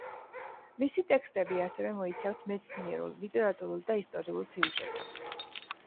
მისი ტექსტები ასევე მოიცავს მეცნიერულ, ლიტერატურულ და ისტორიულ სიუჟეტებს.